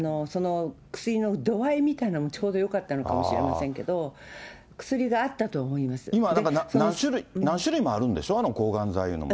薬の度合いみたいなのもちょうどよかったのかもしれませんけど、今、何種類、何種類もあるんでしょ、抗がん剤っていうのも。